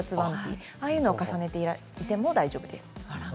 ああいうのを重ねても大丈夫です。